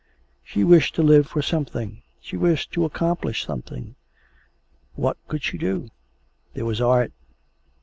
She wished to live for something; she wished to accomplish something; what could she do? There was art.